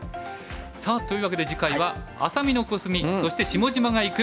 さあというわけで次回は「愛咲美のコスミ」そして「下島が行く！」。